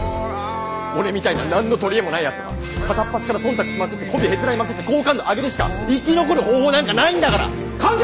俺みたいな何の取り柄もないやつは片っ端から忖度しまくってこびへつらいまくって好感度上げるしか生き残る方法なんかないんだから！